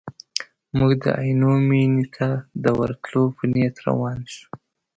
موږ د عینو مینې ته د ورتلو په نیت روان شوو.